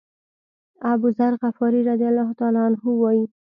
أبوذر غفاري رضی الله عنه وایي.